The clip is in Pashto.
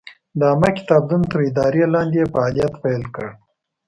د عامه کتابتون تر ادارې لاندې یې فعالیت پیل کړ.